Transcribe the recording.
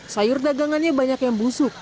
sayur dagangannya banyak yang busuk